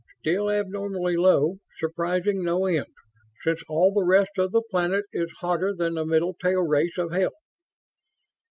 "Still abnormally low. Surprising no end, since all the rest of the planet is hotter than the middle tail race of hell."